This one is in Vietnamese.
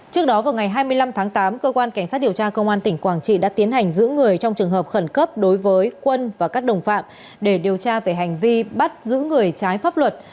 trước đó vào ngày hai mươi năm tháng tám cơ quan cảnh sát điều tra công an tỉnh quảng trị đã tiến hành giữ người trong trường hợp khẩn cấp đối với quân và các đồng phạm để điều tra về hành vi bắt giữ người trái pháp luật